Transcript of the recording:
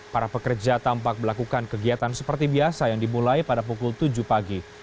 para pekerja tampak melakukan kegiatan seperti biasa yang dimulai pada pukul tujuh pagi